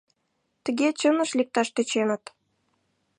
Тыге чыныш лекташ тӧченыт.